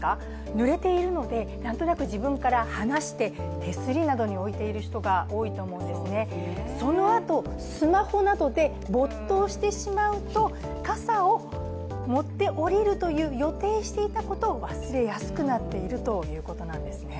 ぬれているので、なんとなく自分から離して手すりなどに置いている方も多いと思うんですね、そのあと、スマホなどで没頭してしまうと、傘を持って降りるという予定していたことを忘れやすくなっているということなんですね。